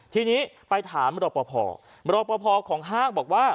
ทีนี้ไปถามรับประพอรับประพอของฮากบอกว่า